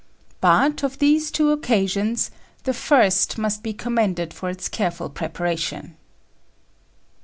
But, of these two occasions, the first must be commended for its careful preparation.